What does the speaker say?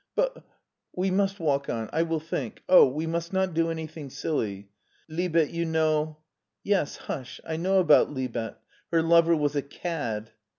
"But We must walk on. I will think! Oh, we must not do anything silly. Libet, you know ^"" Yes, hush ; I know about Libet — her lover was a cad."